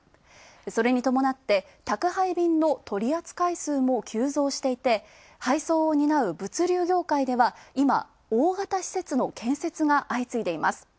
それに伴って宅配便の取り扱い数も急増していて、配送を担う物流業界では今、大型施設の建設が相次いでいます。